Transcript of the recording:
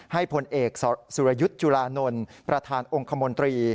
พลเอกสุรยุทธ์จุลานนท์ประธานองค์คมนตรี